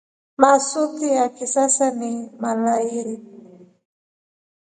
Masuti ya kisasa ni malairii.